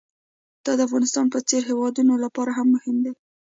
دا د افغانستان په څېر هېوادونو لپاره هم دی.